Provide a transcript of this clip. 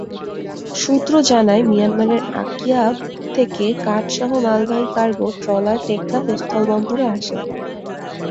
সূত্র জানায়, মিয়ানমারের আকিয়াব থেকে কাঠসহ মালবাহী কার্গো ট্রলার টেকনাফ স্থলবন্দরে আসে।